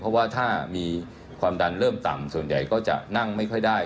เพราะว่าถ้ามีความดันเริ่มต่ำส่วนใหญ่ก็จะนั่งไม่ค่อยได้